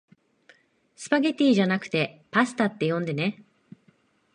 スパゲティじゃなくパスタって呼んでね